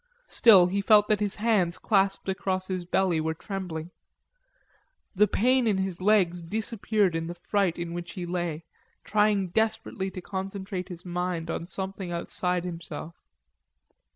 Still, he felt that his hands, clasped across his belly, were trembling. The pain in his legs disappeared in the fright in which he lay, trying desperately to concentrate his mind on something outside himself.